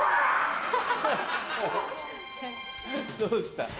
どうした？